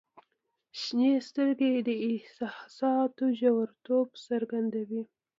• شنې سترګې د احساساتو ژوریتوب څرګندوي.